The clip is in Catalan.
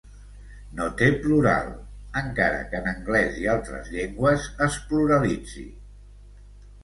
No té plural, encara que en anglès i altres llengües es pluralitzi.